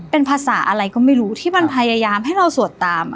เป็นภาษาอะไรก็ไม่รู้ที่มันพยายามให้เราสวดตาม